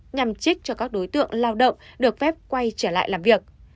nhằm trích cho các đối tượng lao động được phép quay trở lại làm việc